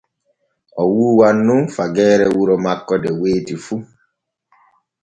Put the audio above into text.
O wuuwan nun fageere wuro makko de weeti fu.